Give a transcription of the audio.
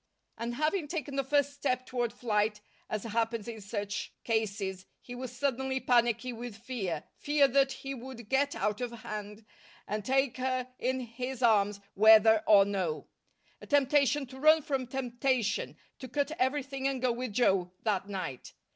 And having taken the first step toward flight, as happens in such cases, he was suddenly panicky with fear, fear that he would get out of hand, and take her in his arms, whether or no; a temptation to run from temptation, to cut everything and go with Joe that night.